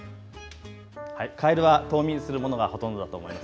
カエルは冬眠するものがほとんどだと思います。